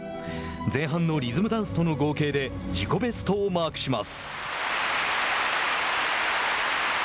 前半リズムダンスとの合計で自己ベストをマークします。